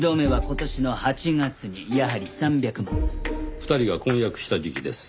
２人が婚約した時期です。